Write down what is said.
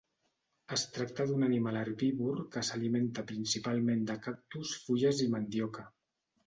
Es tracta d'un animal herbívor que s'alimenta principalment de cactus, fulles i mandioca.